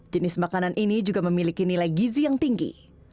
jenis makanan ini juga memiliki nilai gizi yang tinggi